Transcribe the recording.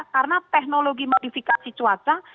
karena teknologi modifikasi cuaca